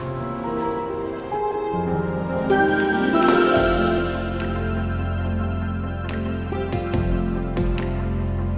tapi aku bisa kok